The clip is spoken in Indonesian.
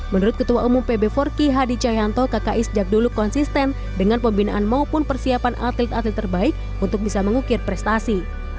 menurut ketua umum pb forki hadi cahyanto kki sejak dulu konsisten dengan pembinaan maupun persiapan atlet atlet terbaik untuk bisa mengukir prestasi